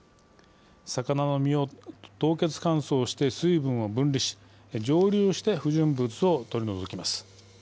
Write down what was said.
魚の身を凍結乾燥して水分を分離し蒸留して不純物を取り除きます。